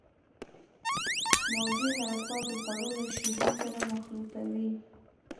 موجي حرکات د خوړو له شیرې سره مخلوطوي.